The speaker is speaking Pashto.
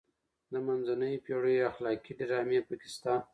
د منځنیو پیړیو اخلاقي ډرامې پکې شته.